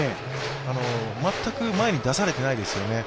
全く前に出されていないですよね。